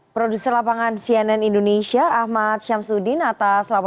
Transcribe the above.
jadi kalau satu dua partai lain bergabung baru kita enak